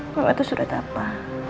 memang itu surat apa